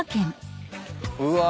うわ。